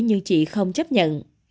nhưng chị không chấp nhận